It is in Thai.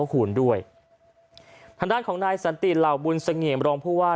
ครั้งด้านของนายสันติรเล่าบุญสังเงมรองผู้ว่า